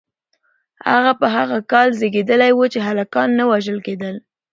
هغه په هغه کال کې زیږیدلی و چې هلکان نه وژل کېدل.